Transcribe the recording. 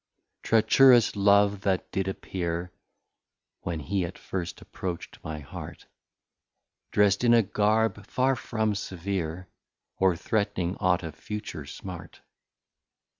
Treacherous Love that did appear, (When he at first approach't my Heart) Drest in a Garb far from severe, Or threatning ought of future smart.